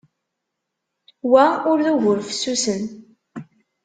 Wa ur d ugur fessusen.